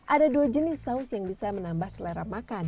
ada dua jenis saus yang bisa menambah selera makan